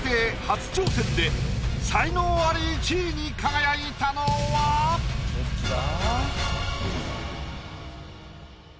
初挑戦で才能アリ１位に輝いたのは⁉どっちだ？